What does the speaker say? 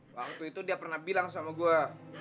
waktu itu dia pernah bilang sama gue